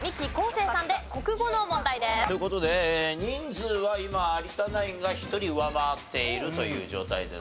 生さんで国語の問題です。という事で人数は今有田ナインが１人上回っているという状態ですかね。